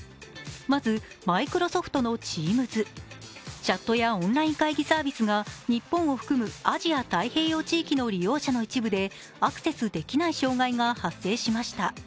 まず、マイクロソフトのＴｅａｍｓチャットやオンライン会議サービスが日本を含むアジア太平洋地域の利用者の一部でアクセスできない障害が発生しました。